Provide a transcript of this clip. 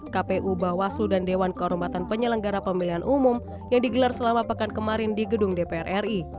kpu bawaslu dan dewan kehormatan penyelenggara pemilihan umum yang digelar selama pekan kemarin di gedung dpr ri